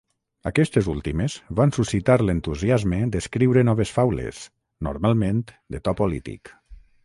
Aquestes últimes van suscitar l'entusiasme d'escriure noves faules, normalment de to polític.